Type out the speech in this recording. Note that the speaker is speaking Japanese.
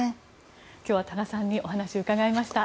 今日は多賀さんにお話を伺いました。